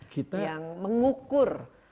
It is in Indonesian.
kita yang mengukur